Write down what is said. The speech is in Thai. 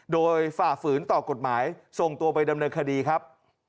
โดยฝ่าฝืนต่อกฎหมายส่งตัวไปดำเนินคดีครับ